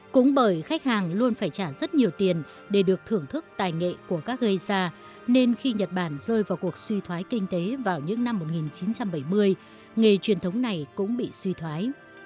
cũng bởi khách hàng luôn phải trả rất nhiều tiền để được thưởng thức tài nghệ của các gây ra nên khi nhật bản rơi vào cuộc suy thoái kinh tế vào những năm một nghìn chín trăm bảy mươi nghề truyền thống này cũng bị suy thoái